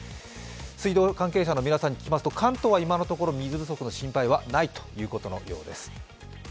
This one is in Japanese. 水道関係者の皆さんに聞きますと、関東は今のところ水不足の心配はないということです。